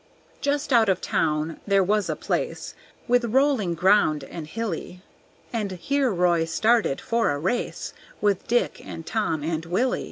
Just out of town there was a place With rolling ground and hilly, And here Roy started for a race With Dick and Tom and Willy.